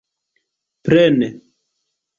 plene